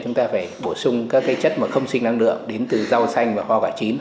chúng ta phải bổ sung các cái chất mà không sinh năng lượng đến từ rau xanh và hoa quả chín